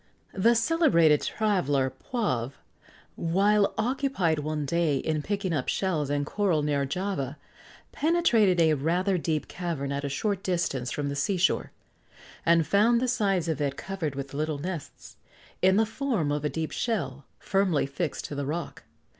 The celebrated traveller Poivre, while occupied one day in picking up shells and coral near Java, penetrated a rather deep cavern at a short distance from the sea shore, and found the sides of it covered with little nests, in the form of a deep shell, firmly fixed to the rock.